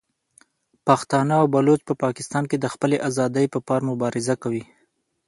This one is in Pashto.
پښتانه او بلوڅ په پاکستان کې د خپلې ازادۍ په پار مبارزه کوي.